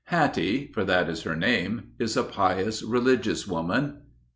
Hattie (for that is her name) is a pious, religious woman."